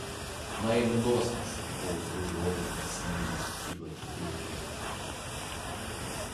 Мае мноства сартоў з ружовымі, сінімі і блакітнымі кветкамі.